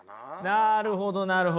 なるほど。